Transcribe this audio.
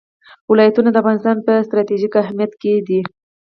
ولایتونه د افغانستان په ستراتیژیک اهمیت کې دي.